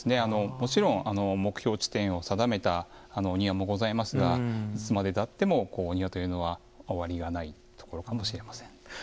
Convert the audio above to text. もちろん目標地点を定めたお庭もございますがいつまでたってもお庭というのは変わりがないところかもしれません。